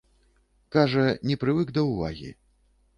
Кажа, не прывык да ўвагі.